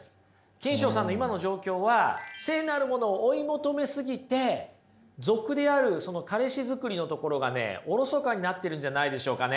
キンショウさんの今の状況は聖なるものを追い求め過ぎて俗である彼氏づくりのところが疎かになってるんじゃないでしょうかね。